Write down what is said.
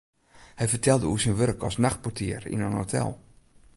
Hy fertelde oer syn wurk as nachtportier yn in hotel.